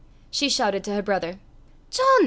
She shouted to her brother. "John!